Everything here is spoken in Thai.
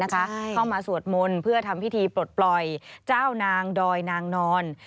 เข้ามาสวดมนต์เพื่อทำพิธีปลดปล่อยเจ้านางดอยนางนอน